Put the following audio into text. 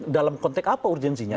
dalam konteks apa urgensinya